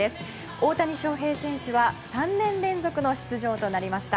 大谷翔平選手は３年連続の出場となりました。